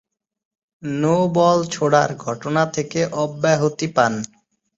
No-ball ছোঁড়ার ঘটনা থেকে অব্যহতি পান।